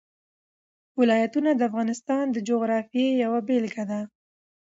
ولایتونه د افغانستان د جغرافیې یوه بېلګه ده.